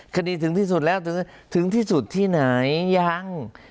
คดีถึงที่สุดแล้วถึงที่สุดที่ไหนยัง